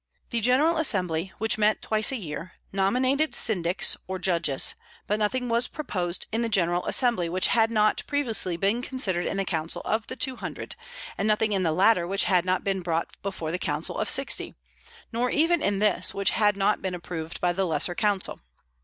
The general assembly, which met twice a year, nominated syndics, or judges; but nothing was proposed in the general assembly which had not previously been considered in the council of the Two Hundred; and nothing in the latter which had not been brought before the council of Sixty; nor even in this, which had not been approved by the lesser council.